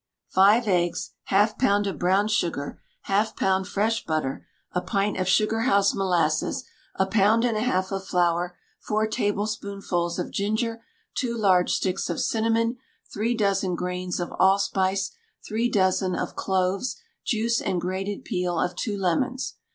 Five eggs, half pound of brown sugar, half pound fresh butter, a pint of sugarhouse molasses, a pound and a half of flour, four tablespoonfuls of ginger, two large sticks of cinnamon, three dozen grains of allspice, three dozen of cloves, juice and grated peel of two lemons.